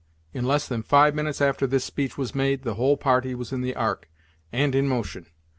In less than five minutes after this speech was made, the whole party was in the ark, and in motion.